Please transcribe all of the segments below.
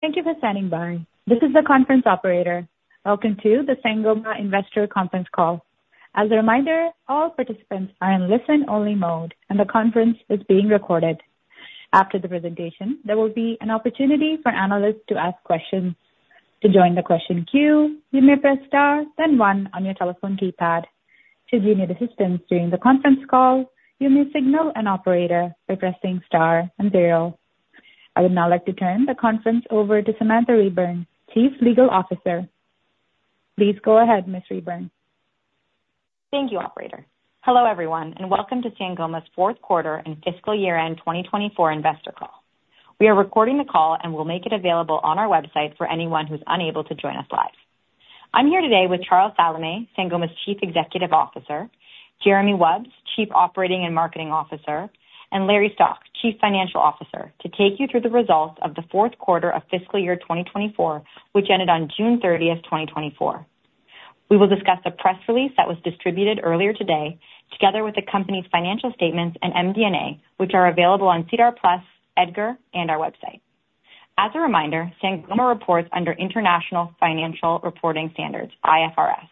Thank you for standing by. This is the conference operator. Welcome to the Sangoma Investor Conference Call. As a reminder, all participants are in listen-only mode, and the conference is being recorded. After the presentation, there will be an opportunity for analysts to ask questions. To join the question queue, you may press Star, then One on your telephone keypad. Should you need assistance during the conference call, you may signal an operator by pressing Star and Zero. I would now like to turn the conference over to Samantha Reburn, Chief Legal Officer. Please go ahead, Ms. Reburn. Thank you, operator. Hello, everyone, and welcome to Sangoma's Fourth Quarter and Fiscal Year End 2024 Investor Call. We are recording the call, and we'll make it available on our website for anyone who's unable to join us live. I'm here today with Charles Salameh, Sangoma's Chief Executive Officer, Jeremy Wubs, Chief Operating and Marketing Officer, and Larry Stock, Chief Financial Officer, to take you through the results of the fourth quarter of fiscal year twenty twenty-four, which ended on June thirtieth, twenty twenty-four. We will discuss the press release that was distributed earlier today, together with the company's financial statements and MD&A, which are available on SEDAR+, EDGAR, and our website. As a reminder, Sangoma reports under International Financial Reporting Standards, IFRS,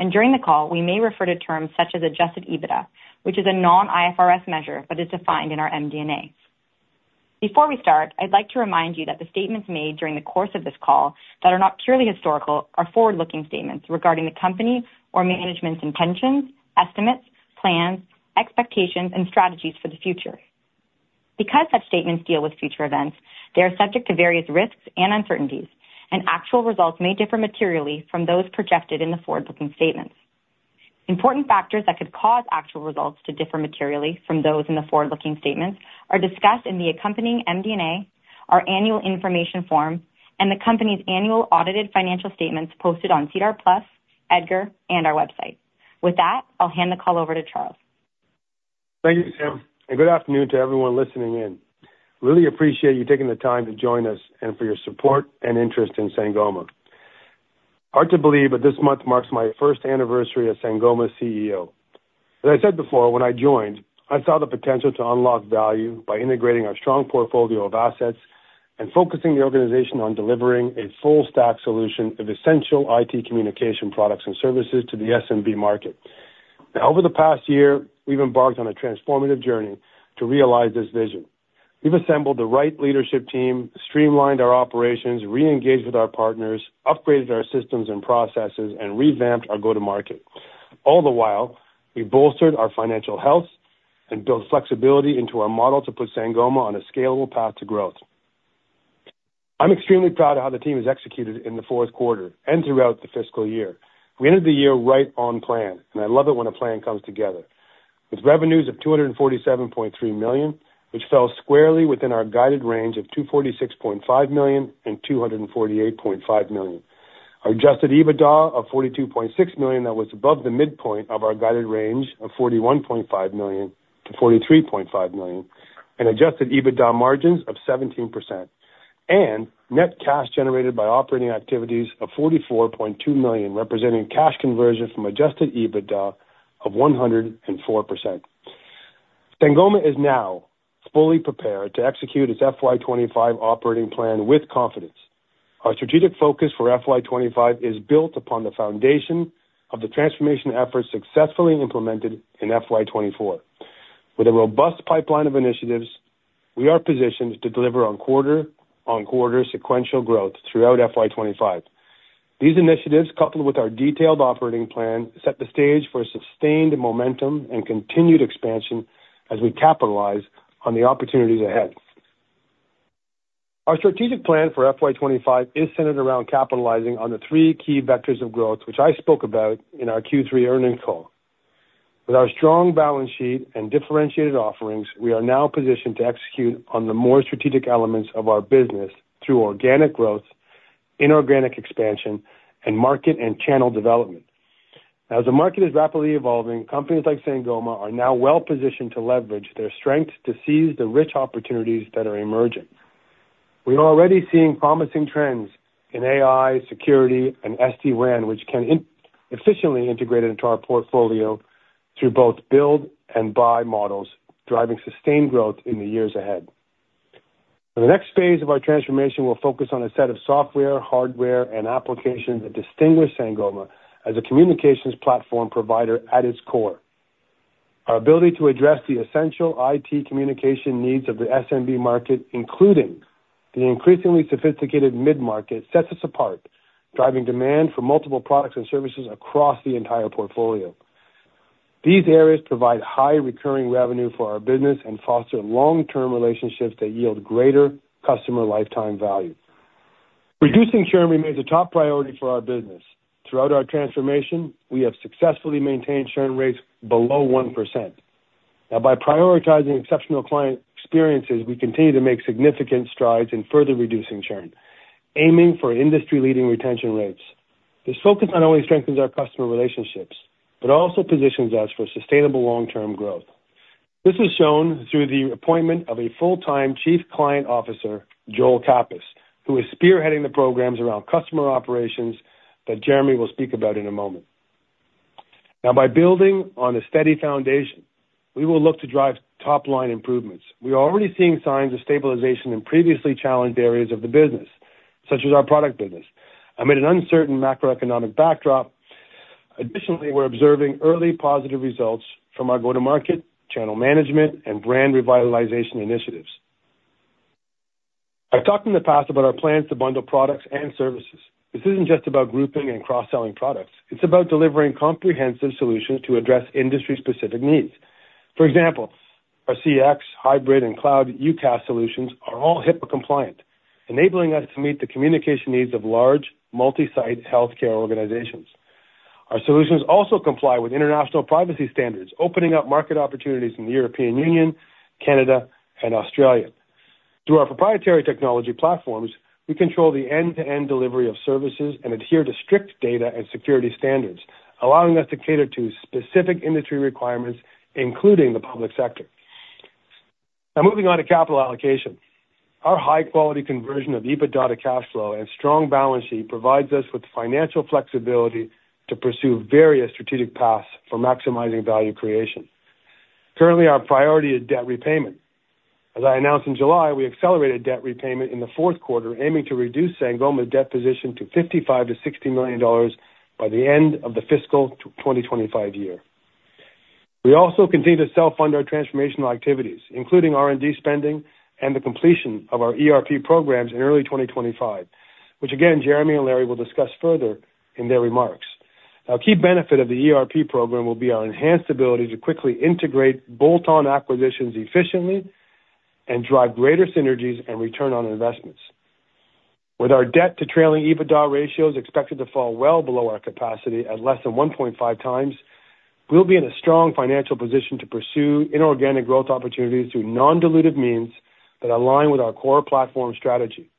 and during the call, we may refer to terms such as Adjusted EBITDA, which is a non-IFRS measure, but is defined in our MD&A. Before we start, I'd like to remind you that the statements made during the course of this call that are not purely historical are forward-looking statements regarding the company or management's intentions, estimates, plans, expectations, and strategies for the future. Because such statements deal with future events, they are subject to various risks and uncertainties, and actual results may differ materially from those projected in the forward-looking statements. Important factors that could cause actual results to differ materially from those in the forward-looking statements are discussed in the accompanying MD&A, our Annual Information Form, and the company's annual audited financial statements posted on SEDAR+, EDGAR, and our website. With that, I'll hand the call over to Charles. Thank you, Sam, and good afternoon to everyone listening in. Really appreciate you taking the time to join us and for your support and interest in Sangoma. Hard to believe, but this month marks my first anniversary as Sangoma's CEO. As I said before, when I joined, I saw the potential to unlock value by integrating our strong portfolio of assets and focusing the organization on delivering a full-stack solution of essential IT communication products and services to the SMB market. Now, over the past year, we've embarked on a transformative journey to realize this vision. We've assembled the right leadership team, streamlined our operations, reengaged with our partners, upgraded our systems and processes, and revamped our go-to-market. All the while, we bolstered our financial health and built flexibility into our model to put Sangoma on a scalable path to growth. I'm extremely proud of how the team has executed in the fourth quarter and throughout the fiscal year. We ended the year right on plan, and I love it when a plan comes together. With revenues of $247.3 million, which fell squarely within our guided range of $246.5 million-$248.5 million. Our adjusted EBITDA of $42.6 million, that was above the midpoint of our guided range of $41.5 million-$43.5 million, and adjusted EBITDA margins of 17%, and net cash generated by operating activities of $44.2 million, representing cash conversion from adjusted EBITDA of 104%. Sangoma is now fully prepared to execute its FY 2025 operating plan with confidence. Our strategic focus for FY 2025 is built upon the foundation of the transformation efforts successfully implemented in FY 2024. With a robust pipeline of initiatives, we are positioned to deliver on quarter-on-quarter sequential growth throughout FY 2025. These initiatives, coupled with our detailed operating plan, set the stage for sustained momentum and continued expansion as we capitalize on the opportunities ahead. Our strategic plan for FY 2025 is centered around capitalizing on the three key vectors of growth, which I spoke about in our Q3 earnings call. With our strong balance sheet and differentiated offerings, we are now positioned to execute on the more strategic elements of our business through organic growth, inorganic expansion, and market and channel development. Now, as the market is rapidly evolving, companies like Sangoma are now well-positioned to leverage their strength to seize the rich opportunities that are emerging. We are already seeing promising trends in AI, security, and SD-WAN, which can efficiently integrate into our portfolio through both build and buy models, driving sustained growth in the years ahead. In the next phase of our transformation, we'll focus on a set of software, hardware, and applications that distinguish Sangoma as a communications platform provider at its core. Our ability to address the essential IT communication needs of the SMB market, including the increasingly sophisticated mid-market, sets us apart, driving demand for multiple products and services across the entire portfolio. These areas provide high recurring revenue for our business and foster long-term relationships that yield greater customer lifetime value. Reducing churn remains a top priority for our business. Throughout our transformation, we have successfully maintained churn rates below 1%. Now, by prioritizing exceptional client experiences, we continue to make significant strides in further reducing churn, aiming for industry-leading retention rates. This focus not only strengthens our customer relationships, but also positions us for sustainable long-term growth. This is shown through the appointment of a full-time Chief Client Officer, Joel Coppess, who is spearheading the programs around customer operations that Jeremy will speak about in a moment. Now, by building on a steady foundation, we will look to drive top-line improvements. We are already seeing signs of stabilization in previously challenged areas of the business, such as our product business, amid an uncertain macroeconomic backdrop. Additionally, we're observing early positive results from our go-to-market, channel management, and brand revitalization initiatives. I've talked in the past about our plans to bundle products and services. This isn't just about grouping and cross-selling products. It's about delivering comprehensive solutions to address industry-specific needs. For example, our CX, hybrid, and cloud UCaaS solutions are all HIPAA compliant, enabling us to meet the communication needs of large, multi-site healthcare organizations. Our solutions also comply with international privacy standards, opening up market opportunities in the European Union, Canada, and Australia. Through our proprietary technology platforms, we control the end-to-end delivery of services and adhere to strict data and security standards, allowing us to cater to specific industry requirements, including the public sector. Now, moving on to capital allocation. Our high-quality conversion of EBITDA to cash flow and strong balance sheet provides us with the financial flexibility to pursue various strategic paths for maximizing value creation. Currently, our priority is debt repayment. As I announced in July, we accelerated debt repayment in the fourth quarter, aiming to reduce Sangoma's debt position to $55 million-$60 million by the end of the fiscal 2025 year. We also continue to self-fund our transformational activities, including R&D spending and the completion of our ERP programs in early 2025, which, again, Jeremy and Larry will discuss further in their remarks. A key benefit of the ERP program will be our enhanced ability to quickly integrate bolt-on acquisitions efficiently and drive greater synergies and return on investments. With our debt to trailing EBITDA ratios expected to fall well below our capacity at less than one point five times, we'll be in a strong financial position to pursue inorganic growth opportunities through non-dilutive means that align with our core platform strategy.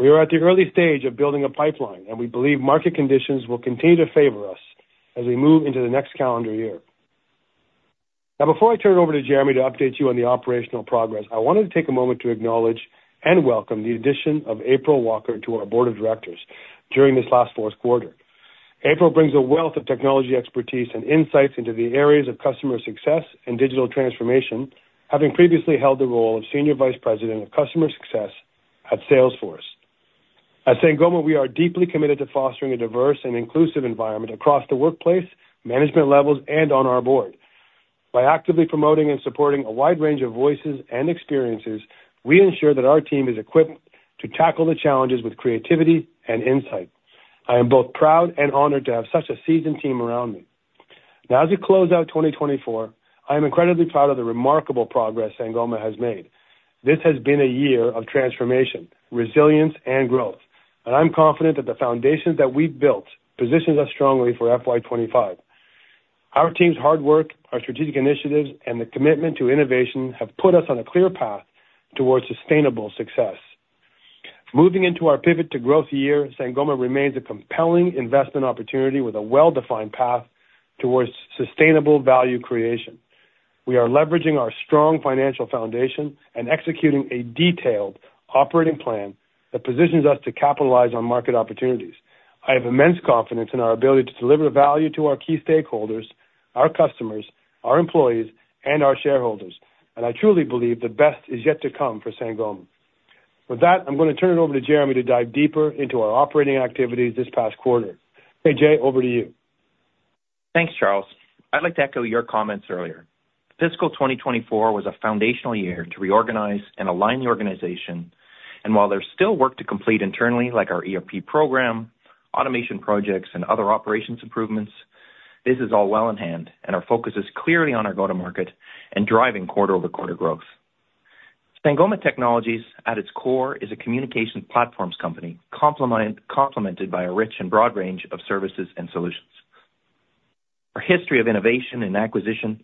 We are at the early stage of building a pipeline, and we believe market conditions will continue to favor us as we move into the next calendar year. Now, before I turn it over to Jeremy to update you on the operational progress, I wanted to take a moment to acknowledge and welcome the addition of April Walker to our board of directors during this last fourth quarter. April brings a wealth of technology expertise and insights into the areas of customer success and digital transformation, having previously held the role of Senior Vice President of Customer Success at Salesforce. At Sangoma, we are deeply committed to fostering a diverse and inclusive environment across the workplace, management levels, and on our board. By actively promoting and supporting a wide range of voices and experiences, we ensure that our team is equipped to tackle the challenges with creativity and insight. I am both proud and honored to have such a seasoned team around me. Now, as we close out 2024, I am incredibly proud of the remarkable progress Sangoma has made. This has been a year of transformation, resilience, and growth, and I'm confident that the foundations that we've built positions us strongly for FY 2025. Our team's hard work, our strategic initiatives, and the commitment to innovation have put us on a clear path towards sustainable success. Moving into our pivot to growth year, Sangoma remains a compelling investment opportunity with a well-defined path towards sustainable value creation. We are leveraging our strong financial foundation and executing a detailed operating plan that positions us to capitalize on market opportunities. I have immense confidence in our ability to deliver value to our key stakeholders, our customers, our employees, and our shareholders, and I truly believe the best is yet to come for Sangoma.With that, I'm going to turn it over to Jeremy to dive deeper into our operating activities this past quarter. Hey, Jay, over to you. Thanks, Charles. I'd like to echo your comments earlier. Fiscal 2024 was a foundational year to reorganize and align the organization, and while there's still work to complete internally, like our ERP program, automation projects, and other operations improvements, this is all well in hand, and our focus is clearly on our go-to-market and driving quarter-over-quarter growth. Sangoma Technologies, at its core, is a communication platforms company, complemented by a rich and broad range of services and solutions. Our history of innovation and acquisition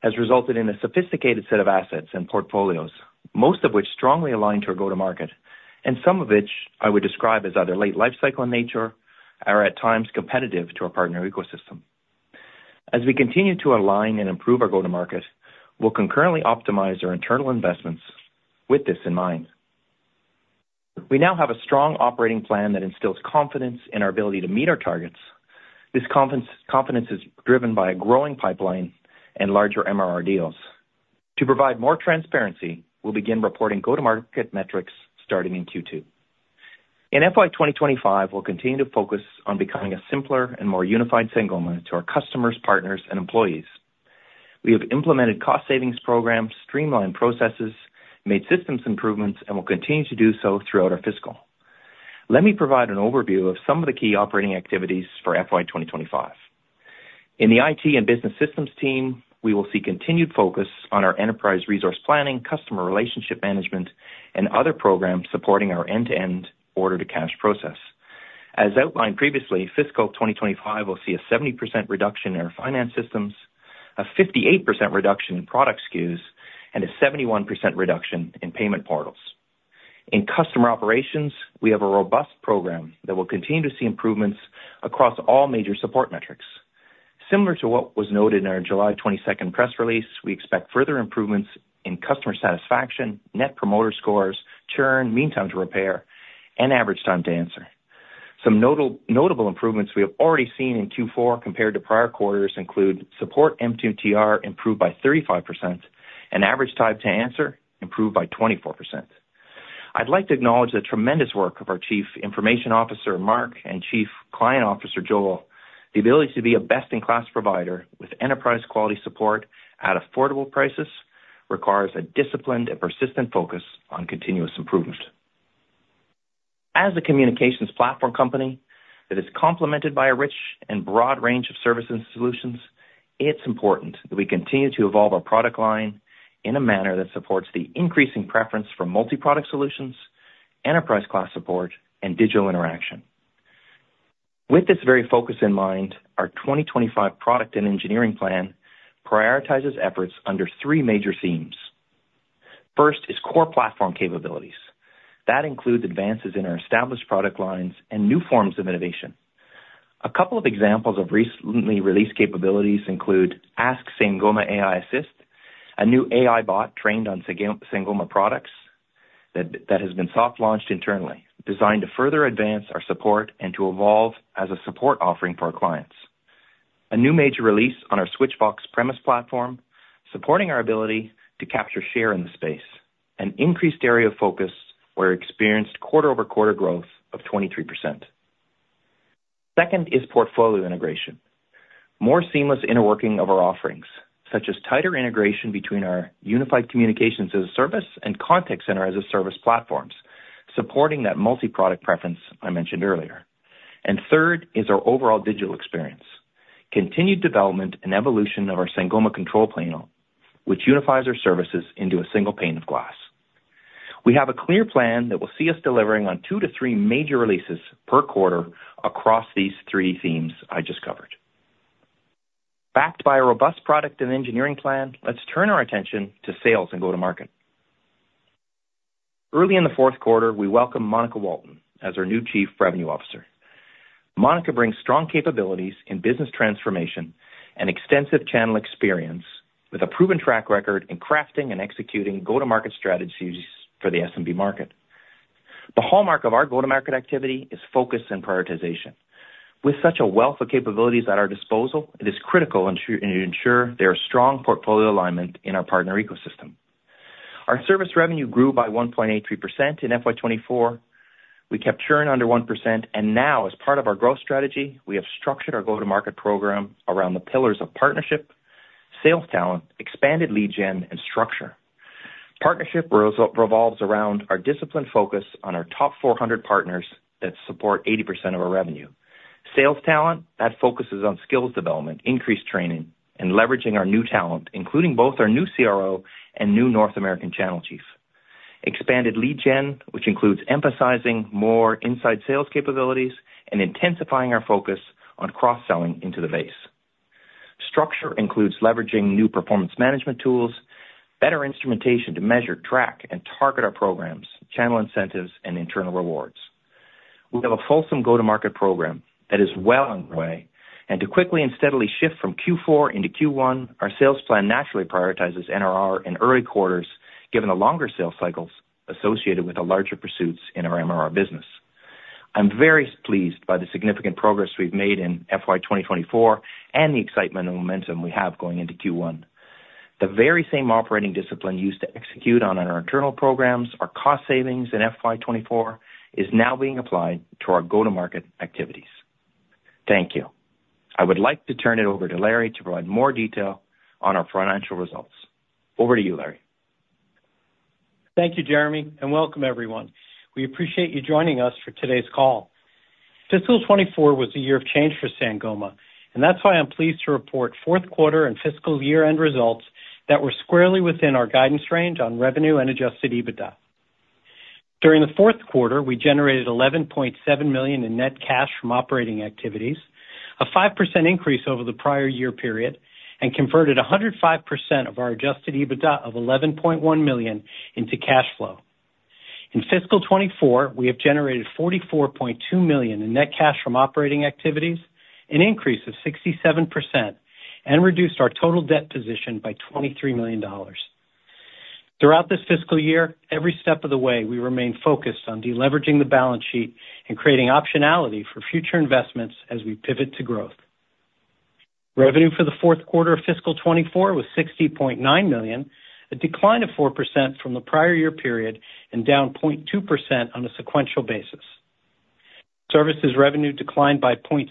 has resulted in a sophisticated set of assets and portfolios, most of which strongly align to our go-to-market, and some of which I would describe as either late lifecycle in nature or at times competitive to our partner ecosystem. As we continue to align and improve our go-to-market, we'll concurrently optimize our internal investments with this in mind. We now have a strong operating plan that instills confidence in our ability to meet our targets. This confidence is driven by a growing pipeline and larger MRR deals. To provide more transparency, we'll begin reporting go-to-market metrics starting in Q2. In FY 2025, we'll continue to focus on becoming a simpler and more unified Sangoma to our customers, partners, and employees. We have implemented cost savings programs, streamlined processes, made systems improvements, and will continue to do so throughout our fiscal. Let me provide an overview of some of the key operating activities for FY 2025. In the IT and business systems team, we will see continued focus on our enterprise resource planning, customer relationship management, and other programs supporting our end-to-end order-to-cash process. As outlined previously, fiscal 2025 will see a 70% reduction in our finance systems, a 58% reduction in product SKUs, and a 71% reduction in payment portals. In customer operations, we have a robust program that will continue to see improvements across all major support metrics. Similar to what was noted in our July twenty-second press release, we expect further improvements in customer satisfaction, Net Promoter Scores, churn, mean time to repair, and average time to answer. Some notable improvements we have already seen in Q4 compared to prior quarters include support MTTR improved by 35% and average time to answer improved by 24%. I'd like to acknowledge the tremendous work of our Chief Information Officer, Mark, and Chief Client Officer, Joel.The ability to be a best-in-class provider with enterprise quality support at affordable prices requires a disciplined and persistent focus on continuous improvement. As a communications platform company that is complemented by a rich and broad range of services and solutions, it's important that we continue to evolve our product line in a manner that supports the increasing preference for multi-product solutions, enterprise-class support, and digital interaction. With this very focus in mind, our 2025 product and engineering plan prioritizes efforts under three major themes. First is core platform capabilities. That includes advances in our established product lines and new forms of innovation. A couple of examples of recently released capabilities include Ask Sangoma AI Assist, a new AI bot trained on Sangoma products, that has been soft launched internally, designed to further advance our support and to evolve as a support offering for our clients.A new major release on our Switchvox premise platform, supporting our ability to capture share in the space, an increased area of focus where we experienced quarter-over-quarter growth of 23%. Second is portfolio integration. More seamless interworking of our offerings, such as tighter integration between our unified communications as a service and contact center as a service platforms, supporting that multi-product preference I mentioned earlier. And third is our overall digital experience. Continued development and evolution of our Sangoma Control Panel, which unifies our services into a single pane of glass. We have a clear plan that will see us delivering on two to three major releases per quarter across these three themes I just covered. Backed by a robust product and engineering plan, let's turn our attention to sales and go-to-market. Early in the fourth quarter, we welcomed Monica Walton as our new Chief Revenue Officer. Monica brings strong capabilities in business transformation and extensive channel experience, with a proven track record in crafting and executing go-to-market strategies for the SMB market. The hallmark of our go-to-market activity is focus and prioritization. With such a wealth of capabilities at our disposal, it is critical to ensure there are strong portfolio alignment in our partner ecosystem. Our service revenue grew by 1.83% in FY 2024. We kept churn under 1%, and now, as part of our growth strategy, we have structured our go-to-market program around the pillars of partnership, sales talent, expanded lead gen, and structure. Partnership revolves around our disciplined focus on our top 400 partners that support 80% of our revenue. Sales talent, that focuses on skills development, increased training, and leveraging our new talent, including both our new CRO and new North American channel chief. Expanded lead gen, which includes emphasizing more inside sales capabilities and intensifying our focus on cross-selling into the base. Structure includes leveraging new performance management tools, better instrumentation to measure, track, and target our programs, channel incentives, and internal rewards. We have a fulsome go-to-market program that is well underway, and to quickly and steadily shift from Q4 into Q1, our sales plan naturally prioritizes NRR in early quarters, given the longer sales cycles associated with the larger pursuits in our MRR business. I'm very pleased by the significant progress we've made in FY 2024 and the excitement and momentum we have going into Q1. The very same operating discipline used to execute on our internal programs, our cost savings in FY 2024, is now being applied to our go-to-market activities. Thank you.I would like to turn it over to Larry to provide more detail on our financial results. Over to you, Larry. Thank you, Jeremy, and welcome, everyone. We appreciate you joining us for today's call. Fiscal 2024 was a year of change for Sangoma, and that's why I'm pleased to report fourth quarter and fiscal year-end results that were squarely within our guidance range on revenue and Adjusted EBITDA. During the fourth quarter, we generated $11.7 million in net cash from operating activities, a 5% increase over the prior year period, and converted 105% of our Adjusted EBITDA of $11.1 million into cash flow. In Fiscal 2024, we have generated $44.2 million in net cash from operating activities, an increase of 67%, and reduced our total debt position by $23 million. Throughout this fiscal year, every step of the way, we remained focused on deleveraging the balance sheet and creating optionality for future investments as we pivot to growth. Revenue for the fourth quarter of fiscal 2024 was $60.9 million, a decline of 4% from the prior year period and down 0.2% on a sequential basis. Services revenue declined by 0.6%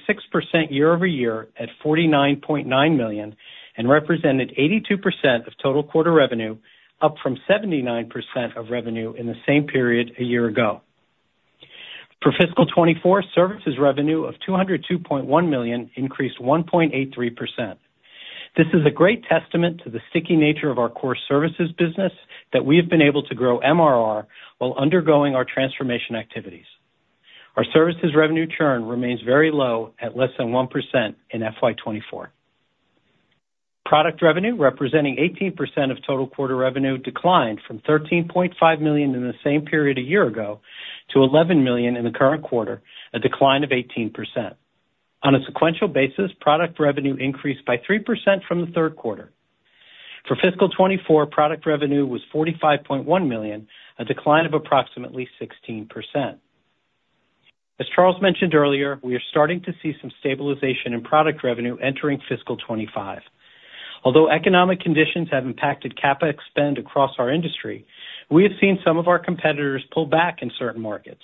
year over year at $49.9 million and represented 82% of total quarter revenue, up from 79% of revenue in the same period a year ago. For fiscal 2024, services revenue of $202.1 million increased 1.83%. This is a great testament to the sticky nature of our core services business that we have been able to grow MRR while undergoing our transformation activities. Our services revenue churn remains very low at less than 1% in FY 2024.Product revenue, representing 18% of total quarter revenue, declined from $13.5 million in the same period a year ago to $11 million in the current quarter, a decline of 18%. On a sequential basis, product revenue increased by 3% from the third quarter. For fiscal 2024, product revenue was $45.1 million, a decline of approximately 16%. As Charles mentioned earlier, we are starting to see some stabilization in product revenue entering fiscal 2025. Although economic conditions have impacted CapEx spend across our industry, we have seen some of our competitors pull back in certain markets,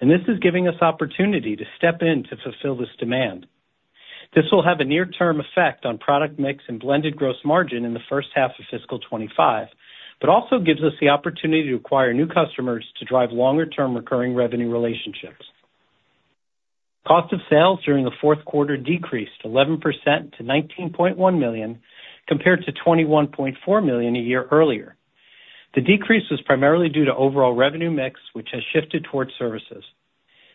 and this is giving us opportunity to step in to fulfill this demand. This will have a near-term effect on product mix and blended gross margin in the first half of fiscal 2025, but also gives us the opportunity to acquire new customers to drive longer-term recurring revenue relationships. Cost of sales during the fourth quarter decreased 11% to $19.1 million, compared to $21.4 million a year earlier. The decrease was primarily due to overall revenue mix, which has shifted towards services.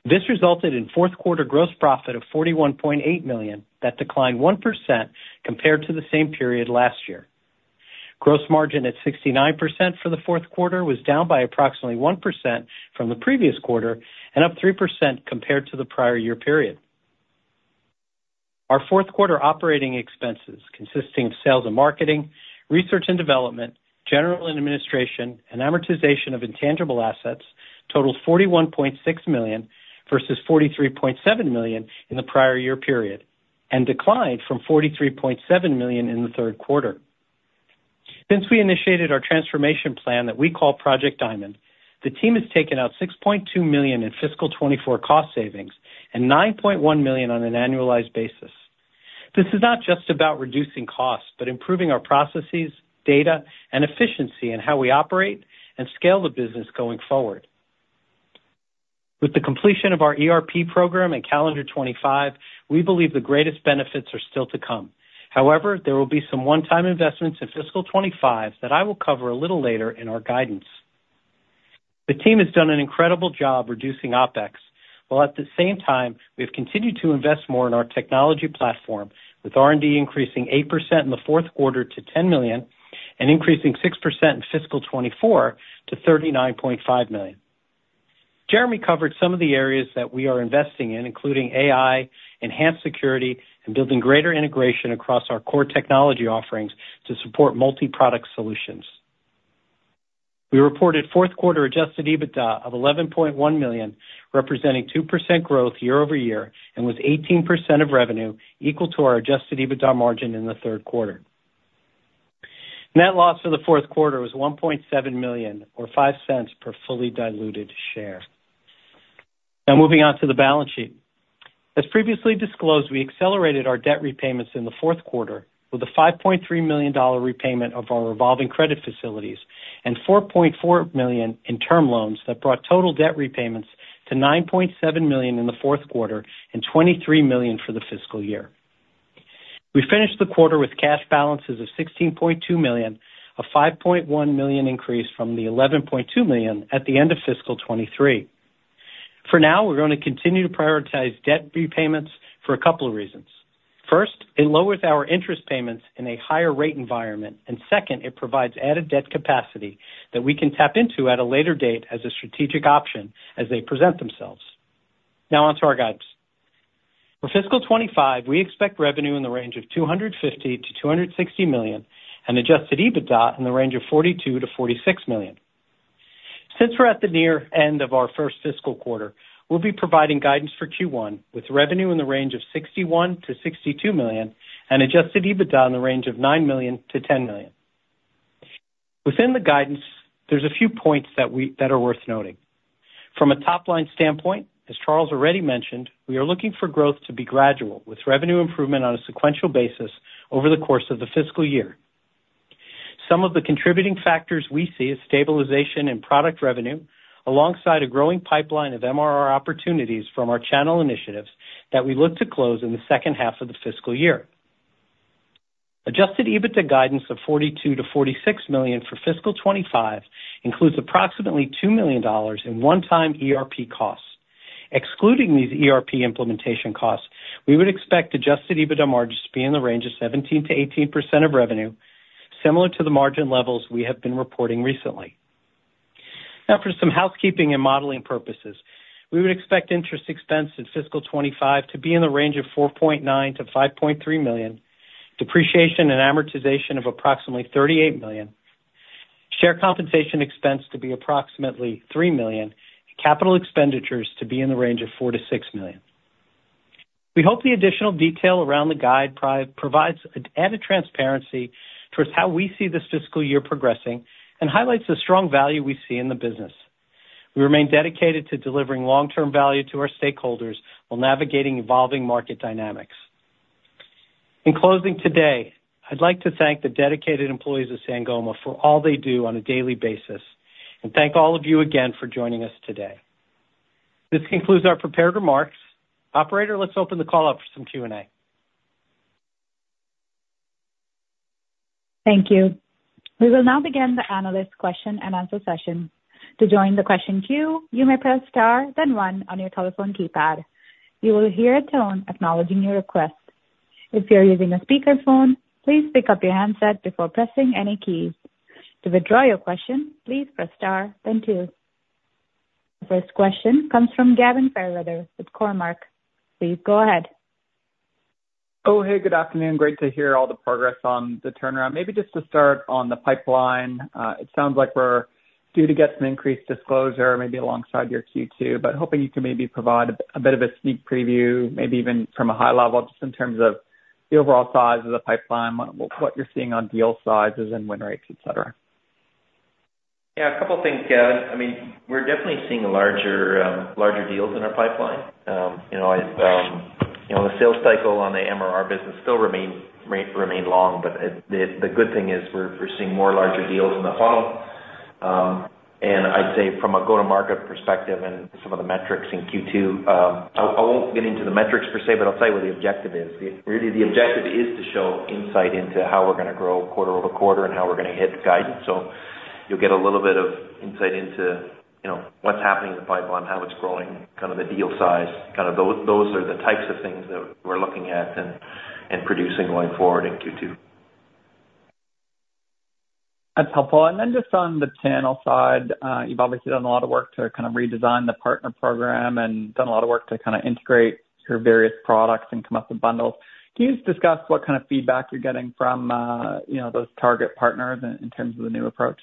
This resulted in fourth quarter gross profit of $41.8 million. That declined 1% compared to the same period last year. Gross margin at 69% for the fourth quarter was down by approximately 1% from the previous quarter and up 3% compared to the prior year period. Our fourth quarter operating expenses, consisting of sales and marketing, research and development, general and administration, and amortization of intangible assets, totaled $41.6 million, versus $43.7 million in the prior year period, and declined from $43.7 million in the third quarter. Since we initiated our transformation plan that we call Project Diamond, the team has taken out $6.2 million in fiscal 2024 cost savings and $9.1 million on an annualized basis. This is not just about reducing costs, but improving our processes, data, and efficiency in how we operate and scale the business going forward. With the completion of our ERP program in calendar 2025, we believe the greatest benefits are still to come. However, there will be some one-time investments in fiscal 2025 that I will cover a little later in our guidance. The team has done an incredible job reducing OpEx, while at the same time, we've continued to invest more in our technology platform, with R&D increasing 8% in the fourth quarter to $10 million and increasing 6% in fiscal 2024 to $39.5 million. Jeremy covered some of the areas that we are investing in, including AI, enhanced security, and building greater integration across our core technology offerings to support multi-product solutions. We reported fourth quarter adjusted EBITDA of $11.1 million, representing 2% growth year over year, and with 18% of revenue equal to our adjusted EBITDA margin in the third quarter. Net loss for the fourth quarter was $1.7 million, or $0.05 per fully diluted share. Now, moving on to the balance sheet. As previously disclosed, we accelerated our debt repayments in the fourth quarter with a $5.3 million repayment of our revolving credit facilities and $4.4 million in term loans that brought total debt repayments to $9.7 million in the fourth quarter and $23 million for the fiscal year. We finished the quarter with cash balances of $16.2 million, a $5.1 million increase from the $11.2 million at the end of fiscal 2023. For now, we're going to continue to prioritize debt repayments for a couple of reasons. First, it lowers our interest payments in a higher rate environment, and second, it provides added debt capacity that we can tap into at a later date as a strategic option as they present themselves. Now on to our guidance. For fiscal 2025, we expect revenue in the range of $250 million-$260 million, and Adjusted EBITDA in the range of $42 million-$46 million. Since we're at the near end of our first fiscal quarter, we'll be providing guidance for Q1, with revenue in the range of $61 million-$62 million and Adjusted EBITDA in the range of $9 million-$10 million. Within the guidance, there's a few points that are worth noting. From a top-line standpoint, as Charles already mentioned, we are looking for growth to be gradual, with revenue improvement on a sequential basis over the course of the fiscal year. Some of the contributing factors we see is stabilization in product revenue, alongside a growing pipeline of MRR opportunities from our channel initiatives that we look to close in the second half of the fiscal year. Adjusted EBITDA guidance of $42 million-$46 million for fiscal 2025 includes approximately $2 million in one-time ERP costs. Excluding these ERP implementation costs, we would expect adjusted EBITDA margins to be in the range of 17%-18% of revenue, similar to the margin levels we have been reporting recently. Now, for some housekeeping and modeling purposes, we would expect interest expense in fiscal 2025 to be in the range of $4.9 million-$5.3 million, depreciation and amortization of approximately $38 million, share compensation expense to be approximately $3 million, and capital expenditures to be in the range of $4 million-$6 million. We hope the additional detail around the guide provides added transparency towards how we see this fiscal year progressing and highlights the strong value we see in the business. We remain dedicated to delivering long-term value to our stakeholders while navigating evolving market dynamics. In closing today, I'd like to thank the dedicated employees of Sangoma for all they do on a daily basis, and thank all of you again for joining us today. This concludes our prepared remarks. Operator, let's open the call up for some Q&A. Thank you. We will now begin the analyst question-and-answer session. To join the question queue, you may press star, then one on your telephone keypad. You will hear a tone acknowledging your request. If you are using a speakerphone, please pick up your handset before pressing any keys. To withdraw your question, please press star, then two. The first question comes from Gavin Fairweather with Cormark. Please go ahead. Oh, hey, good afternoon. Great to hear all the progress on the turnaround. Maybe just to start on the pipeline, it sounds like we're due to get some increased disclosure, maybe alongside your Q2, but hoping you can maybe provide a bit of a sneak preview, maybe even from a high level, just in terms of the overall size of the pipeline, what you're seeing on deal sizes and win rates, et cetera. Yeah, a couple things, Gavin. I mean, we're definitely seeing larger, larger deals in our pipeline. You know, I, you know, the sales cycle on the MRR business still remain, remain long, but the, the good thing is we're seeing more larger deals in the funnel. And I'd say from a go-to-market perspective and some of the metrics in Q2, I won't get into the metrics per se, but I'll tell you what the objective is. Really, the objective is to show insight into how we're gonna grow quarter over quarter and how we're gonna hit the guidance. You'll get a little bit of insight into, you know, what's happening in the pipeline, how it's growing, kind of the deal size, kind of those are the types of things that we're looking at and producing going forward in Q2. That's helpful. And then just on the channel side, you've obviously done a lot of work to kind of redesign the partner program and done a lot of work to kind of integrate your various products and come up with bundles. Can you just discuss what kind of feedback you're getting from, you know, those target partners in terms of the new approach?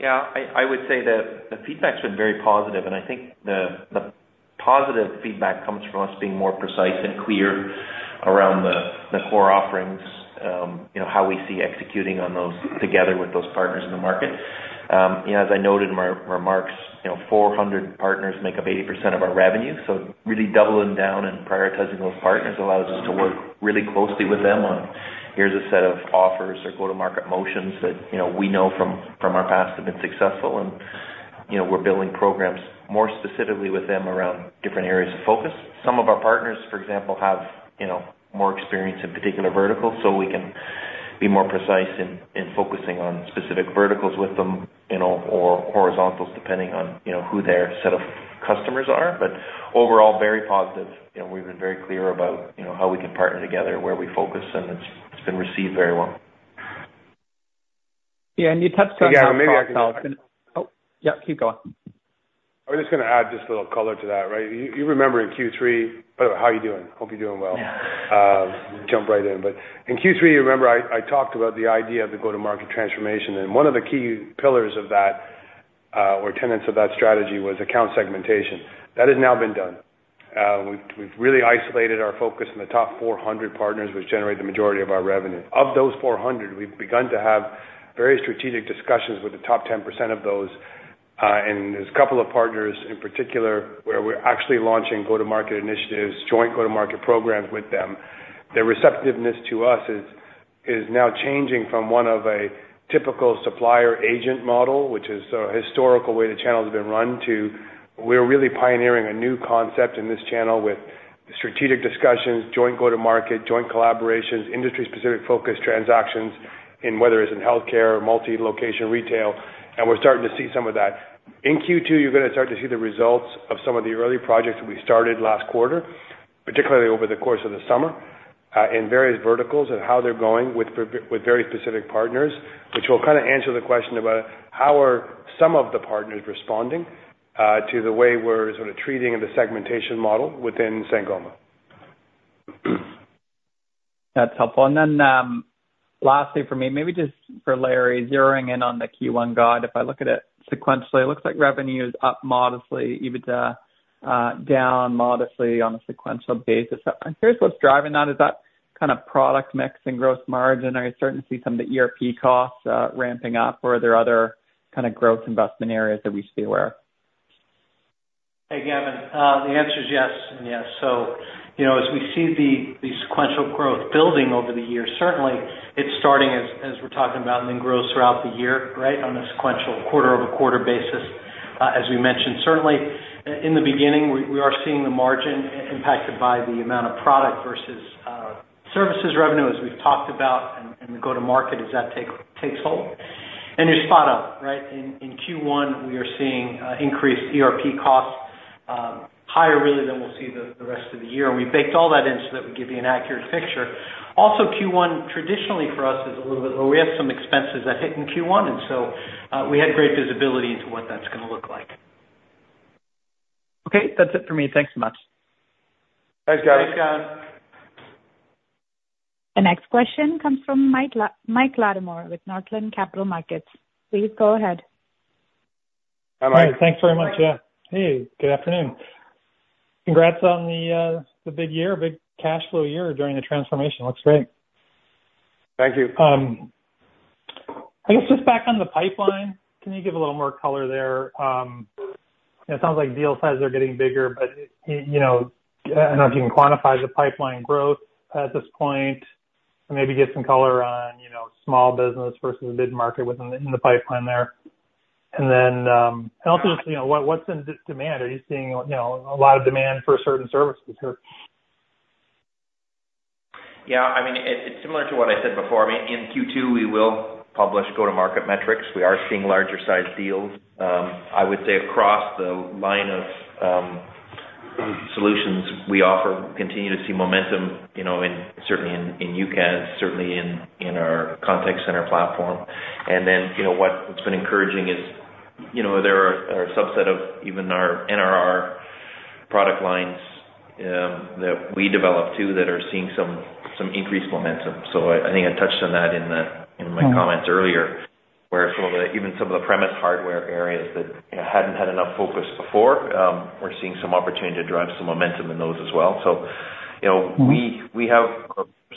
Yeah, I would say that the feedback's been very positive, and I think the positive feedback comes from us being more precise and clear around the core offerings, you know, how we see executing on those together with those partners in the market. You know, as I noted in my remarks, you know, 400 partners make up 80% of our revenue, so really doubling down and prioritizing those partners allows us to work really closely with them on, here's a set of offers or go-to-market motions that, you know, we know from our past have been successful. And, you know, we're building programs more specifically with them around different areas of focus. Some of our partners, for example, have, you know, more experience in particular verticals, so we can be more precise in focusing on specific verticals with them, you know, or horizontals, depending on, you know, who their set of customers are. But overall, very positive. You know, we've been very clear about, you know, how we can partner together, where we focus, and it's been received very well. Yeah, and you touched on- Yeah, maybe I can- Oh, yeah, keep going. I was just gonna add just a little color to that, right? You remember in Q3... By the way, how are you doing? Hope you're doing well. Yeah. Jump right in. But in Q3, you remember, I talked about the idea of the go-to-market transformation, and one of the key pillars of that, or tenets of that strategy, was account segmentation. That has now been done. We've really isolated our focus in the top 400 partners, which generate the majority of our revenue. Of those 400, we've begun to have very strategic discussions with the top 10% of those, and there's a couple of partners in particular, where we're actually launching go-to-market initiatives, joint go-to-market programs with them. The receptiveness to us is now changing from one of a typical supplier-agent model, which is the historical way the channel has been run, to we're really pioneering a new concept in this channel with strategic discussions, joint go-to-market, joint collaborations, industry-specific focused transactions, in whether it's in healthcare or multi-location retail, and we're starting to see some of that. In Q2, you're gonna start to see the results of some of the early projects we started last quarter, particularly over the course of the summer, in various verticals and how they're going with very specific partners, which will kind of answer the question about how are some of the partners responding to the way we're sort of treating the segmentation model within Sangoma. That's helpful. And then, lastly for me, maybe just for Larry, zeroing in on the Q1 guide, if I look at it sequentially, it looks like revenue is up modestly, EBITDA, down modestly on a sequential basis. Here's what's driving that. Is that kind of product mix and gross margin? Are you starting to see some of the ERP costs, ramping up, or are there other kind of growth investment areas that we should be aware of? Hey, Gavin. The answer is yes and yes, so you know, as we see the sequential growth building over the years, certainly it's starting as we're talking about, and then grows throughout the year, right? On a sequential quarter-over-quarter basis, as we mentioned, certainly in the beginning, we are seeing the margin impacted by the amount of product versus services revenue, as we've talked about, and the go-to-market as that takes hold, and you're spot on, right? In Q1, we are seeing increased ERP costs, higher really than we'll see the rest of the year. We baked all that in so that we give you an accurate picture. Also, Q1 traditionally for us is a little bit low. We have some expenses that hit in Q1, and so, we had great visibility into what that's gonna look like. Okay. That's it for me. Thanks so much. Thanks, Gavin. Thanks, Gavin. The next question comes from Mike Latimore with Northland Capital Markets. Please go ahead. Hi, Mike. Hi, thanks very much, yeah. Hey, good afternoon. Congrats on the big year, big cash flow year during the transformation. Looks great. Thank you. I guess just back on the pipeline, can you give a little more color there? It sounds like deal sizes are getting bigger, but you know, I don't know if you can quantify the pipeline growth at this point. Maybe give some color on, you know, small business versus mid-market within the pipeline there. And then, and also, just you know, what's the demand? Are you seeing, you know, a lot of demand for certain services here? Yeah, I mean, it's similar to what I said before. I mean, in Q2, we will publish go-to-market metrics. We are seeing larger-sized deals. I would say across the line of, solutions we offer continue to see momentum, you know, certainly in UCaaS, certainly in our contact center platform. And then, you know, what's been encouraging is, you know, there are a subset of even our NRR product lines that we develop, too, that are seeing some increased momentum. So I think I touched on that in the- Mm-hmm. -in my comments earlier, where some of the, even some of the premise hardware areas that, you know, hadn't had enough focus before, we're seeing some opportunity to drive some momentum in those as well. So, you know- Mm-hmm. We have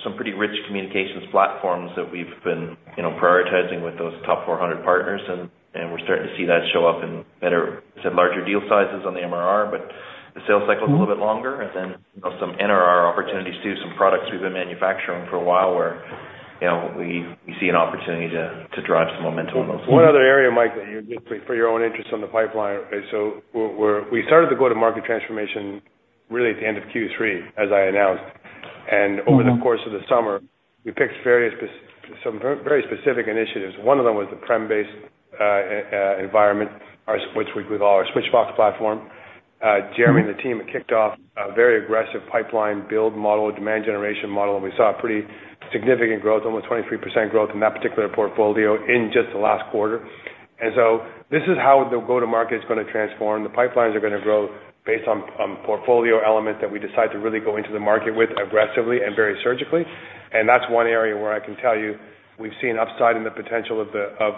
some pretty rich communications platforms that we've been, you know, prioritizing with those top 400 partners, and we're starting to see that show up in better, as I said, larger deal sizes on the MRR, but the sales cycle is- Mm-hmm. -a little bit longer, and then some NRR opportunities, too, some products we've been manufacturing for a while, where, you know, we see an opportunity to drive some momentum on those. One other area, Mike, that you just for your own interest on the pipeline. So we started the go-to-market transformation really at the end of Q3, as I announced. Mm-hmm. Over the course of the summer, we picked various, some very specific initiatives. One of them was the premise-based environment, our Switchvox platform. Mm-hmm. Jeremy and the team kicked off a very aggressive pipeline build model, a demand generation model, and we saw a pretty significant growth, almost 23% growth in that particular portfolio in just the last quarter. And so this is how the go-to-market is gonna transform. The pipelines are gonna grow based on portfolio elements that we decide to really go into the market with aggressively and very surgically. And that's one area where I can tell you, we've seen upside in the potential of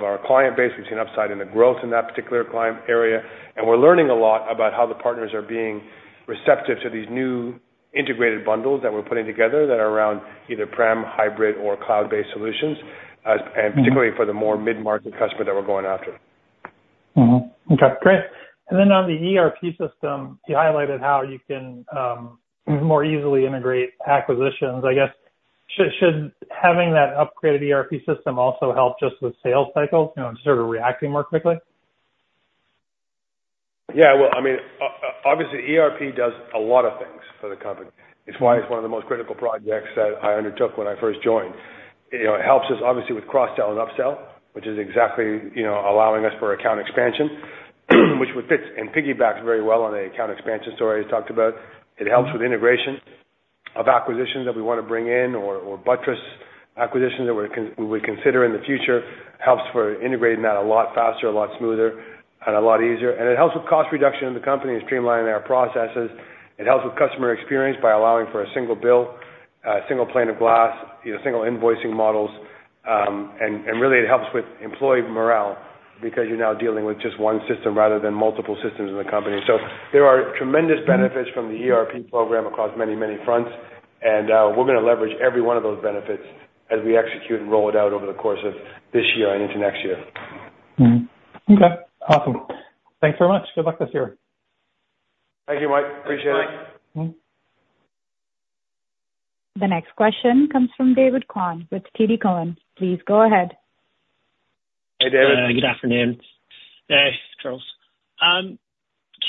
our client base. We've seen upside in the growth in that particular client area, and we're learning a lot about how the partners are being receptive to these new integrated bundles that we're putting together that are around either prem, hybrid, or cloud-based solutions. Mm-hmm. and particularly for the more mid-market customer that we're going after. Mm-hmm. Okay, great. And then on the ERP system, you highlighted how you can more easily integrate acquisitions. I guess, should having that upgraded ERP system also help just with sales cycles, you know, sort of reacting more quickly? Yeah, well, I mean, obviously, ERP does a lot of things for the company. It's why it's one of the most critical projects that I undertook when I first joined. You know, it helps us, obviously, with cross-sell and upsell, which is exactly, you know, allowing us for account expansion, which would fit and piggyback very well on the account expansion story I talked about. Mm-hmm. It helps with integration of acquisitions that we wanna bring in or buttress acquisitions that we consider in the future, helps for integrating that a lot faster, a lot smoother, and a lot easier. It helps with cost reduction in the company and streamlining our processes. It helps with customer experience by allowing for a single bill, a single pane of glass, you know, single invoicing models. And really, it helps with employee morale because you're now dealing with just one system rather than multiple systems in the company. So there are tremendous- Mm-hmm... benefits from the ERP program across many, many fronts. And, we're gonna leverage every one of those benefits as we execute and roll it out over the course of this year and into next year. Mm-hmm. Okay, awesome. Thanks very much. Good luck this year. Thank you, Mike. Appreciate it. Bye. The next question comes from David Kwan with TD Cowen. Please go ahead. Hey, David. Good afternoon. Hey, Charles.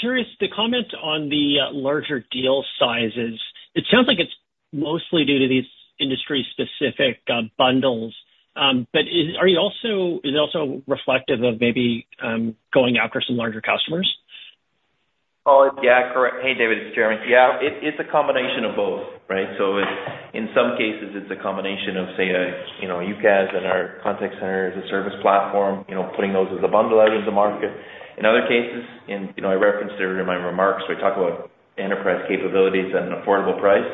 Curious, the comment on the larger deal sizes, it sounds like it's mostly due to these industry-specific bundles. But is it also reflective of maybe going after some larger customers? Oh, yeah, correct. Hey, David, it's Jeremy. Yeah, it, it's a combination of both, right? So it's, in some cases, it's a combination of, say, a, you know, UCaaS and our contact center as a service platform, you know, putting those as a bundle out in the market. In other cases, in, you know, I referenced earlier in my remarks, we talk about enterprise capabilities at an affordable price,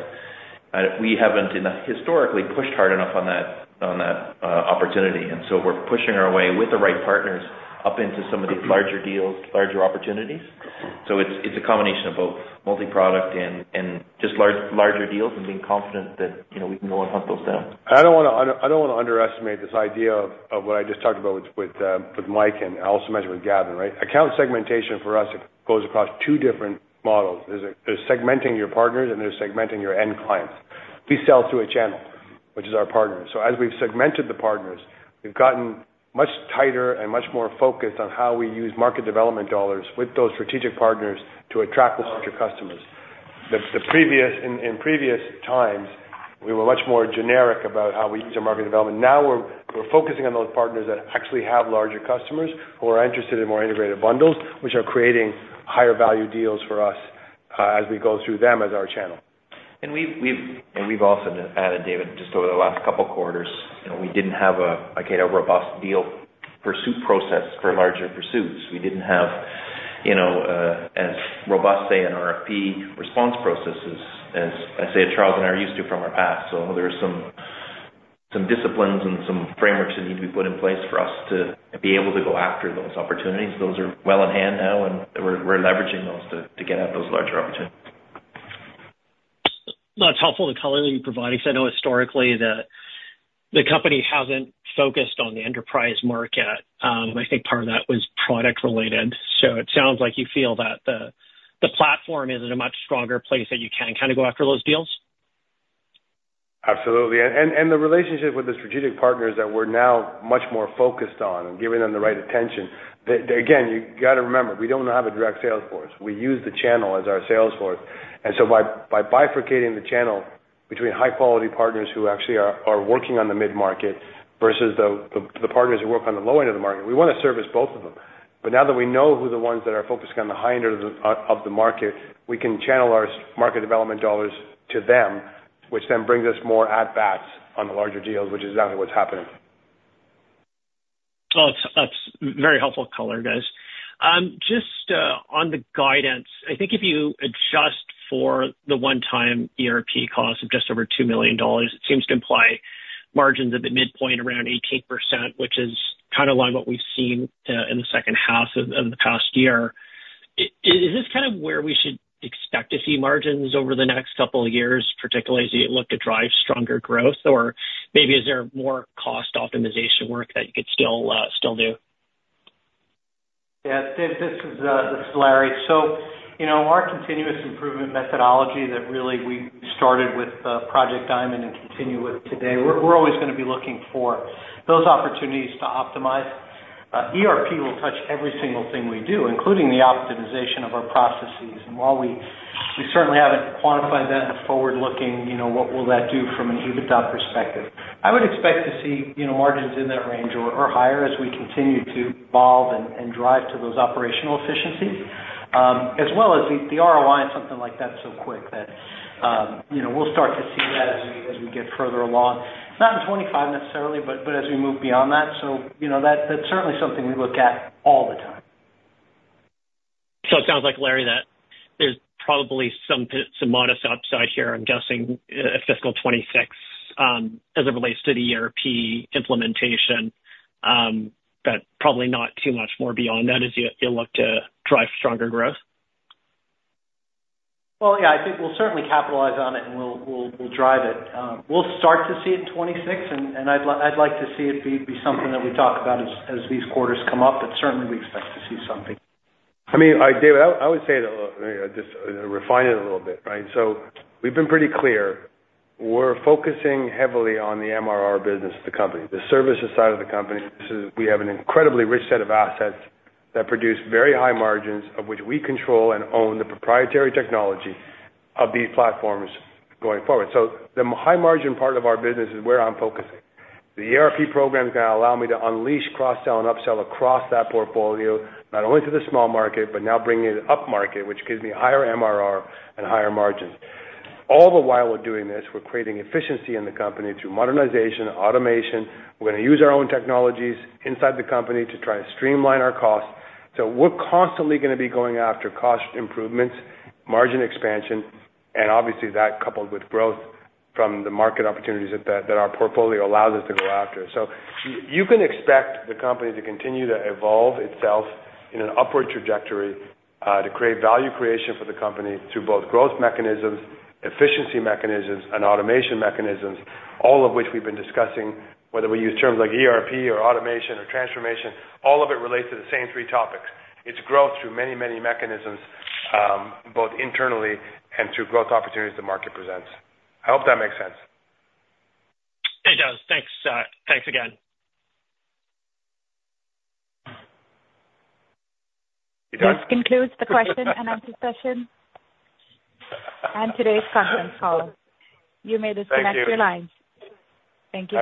and we haven't enough, historically, pushed hard enough on that, on that, opportunity. And so we're pushing our way with the right partners up into some of these larger deals, larger opportunities. So it's, it's a combination of both multi-product and, and just large, larger deals and being confident that, you know, we can go and hunt those down. I don't wanna underestimate this idea of what I just talked about with Mike and I also mentioned with Gavin, right? Account segmentation for us goes across two different models. There's segmenting your partners, and there's segmenting your end clients. We sell through a channel, which is our partner. So as we've segmented the partners, we've gotten much tighter and much more focused on how we use market development dollars with those strategic partners to attract the larger customers. The previous, in previous times, we were much more generic about how we used our market development. Now we're focusing on those partners that actually have larger customers who are interested in more integrated bundles, which are creating higher value deals for us, as we go through them as our channel. We've also added, David, just over the last couple of quarters, you know, we didn't have like a robust deal pursuit process for larger pursuits. We didn't have, you know, as robust an RFP response process as, I say, Charles and I are used to from our past. So there are some disciplines and some frameworks that need to be put in place for us to be able to go after those opportunities. Those are well at hand now, and we're leveraging those to get at those larger opportunities. It's helpful, the color that you provide, because I know historically, the company hasn't focused on the enterprise market. I think part of that was product related. So it sounds like you feel that the platform is in a much stronger place, that you can kind of go after those deals? Absolutely. And the relationship with the strategic partners that we're now much more focused on and giving them the right attention. Again, you gotta remember, we don't have a direct sales force. We use the channel as our sales force. And so by bifurcating the channel between high quality partners who actually are working on the mid-market versus the partners who work on the low end of the market. We wanna service both of them, but now that we know who the ones that are focused on the high end of the market, we can channel our market development dollars to them, which then brings us more at bats on the larger deals, which is exactly what's happening. That's very helpful color, guys. Just on the guidance, I think if you adjust for the one-time ERP cost of just over $2 million, it seems to imply margins at the midpoint around 18%, which is kind of along what we've seen in the second half of the past year. Is this kind of where we should expect to see margins over the next couple of years, particularly as you look to drive stronger growth? Or maybe is there more cost optimization work that you could still do? Yeah, Dave, this is Larry. So, you know, our continuous improvement methodology that really we started with Project Diamond and continue with today, we're always gonna be looking for those opportunities to optimize. ERP will touch every single thing we do, including the optimization of our processes. And while we certainly haven't quantified that forward-looking, you know, what will that do from an EBITDA perspective, I would expect to see, you know, margins in that range or higher as we continue to evolve and drive to those operational efficiencies, as well as the ROI on something like that so quick that, you know, we'll start to see that as we get further along. Not in 2025 necessarily, but as we move beyond that. So, you know, that's, that's certainly something we look at all the time. So it sounds like, Larry, that there's probably some modest upside here, I'm guessing, fiscal 2026, as it relates to the ERP implementation, but probably not too much more beyond that as you look to drive stronger growth? Yeah, I think we'll certainly capitalize on it, and we'll drive it. We'll start to see it in 2026, and I'd like to see it be something that we talk about as these quarters come up, but certainly we expect to see something. I mean, Dave, I would say that just refine it a little bit, right? So we've been pretty clear, we're focusing heavily on the MRR business of the company, the services side of the company. So we have an incredibly rich set of assets that produce very high margins, of which we control and own the proprietary technology of these platforms going forward. So the high margin part of our business is where I'm focusing. The ERP program is gonna allow me to unleash cross-sell and upsell across that portfolio, not only to the small market, but now bringing it upmarket, which gives me higher MRR and higher margins. All the while we're doing this, we're creating efficiency in the company through modernization, automation. We're gonna use our own technologies inside the company to try to streamline our costs. So we're constantly gonna be going after cost improvements, margin expansion, and obviously that coupled with growth from the market opportunities that our portfolio allows us to go after. So you can expect the company to continue to evolve itself in an upward trajectory, to create value creation for the company through both growth mechanisms, efficiency mechanisms, and automation mechanisms, all of which we've been discussing, whether we use terms like ERP or automation or transformation, all of it relates to the same three topics. It's growth through many, many mechanisms, both internally and through growth opportunities the market presents. I hope that makes sense. It does. Thanks, thanks again. This concludes the question and answer session and today's conference call. You may disconnect your lines. Thank you. Thank you.